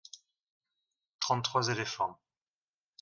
Trente-trois éléphants.